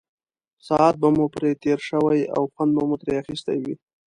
ساعت به مو پرې تېر شوی او خوند به مو ترې اخیستی وي.